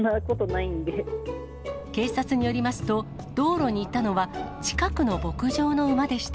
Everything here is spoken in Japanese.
警察によりますと、道路にいたのは、近くの牧場の馬でした。